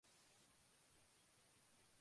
Es de nacionalidad búlgara.